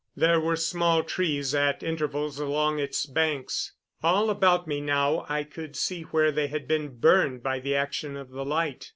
There were small trees at intervals along its banks. All about me now I could see where they had been burned by the action of the light.